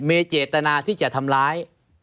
มีเจตนาที่จะทำร้าย